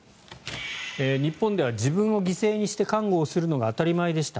日本では自分を犠牲にして看護をするのが当たり前でした